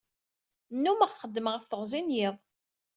Nnumeɣ xeddmeɣ ɣef teɣzi n yiḍ.